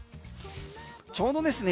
ちょうどですね